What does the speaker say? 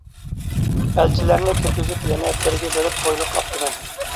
ئەلچىلەرنى كىرگۈزۈپ يەنە، بىرگە بېرىپ تويلۇق ئاپتىمەن.